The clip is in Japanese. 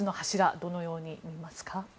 どのように見ますか？